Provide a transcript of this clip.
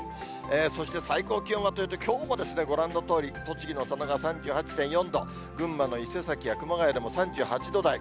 そして最高気温はというと、きょうもご覧のとおり、栃木の佐野が３８．４度、群馬の伊勢崎や熊谷でも３８度台。